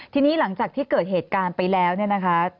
ทีนี้หลังจากที่เกิดเหตุการณ์ไปแล้วเนี่ยนะคะ